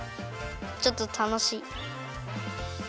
ちょっとたのしい。